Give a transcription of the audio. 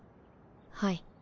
はい。